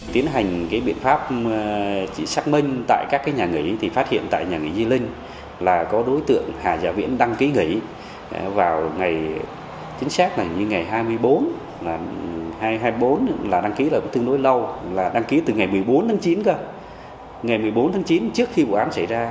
một mươi bốn tháng chín trước khi vụ án xảy ra